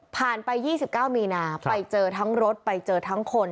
ไป๒๙มีนาไปเจอทั้งรถไปเจอทั้งคน